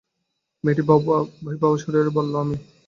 মেয়েটি ভয়-পাওয়া স্বরে বলল, আমি।